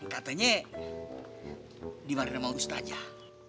katanya dimarahin sama ustadzah